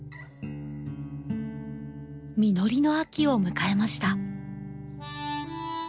実りの秋を迎えました。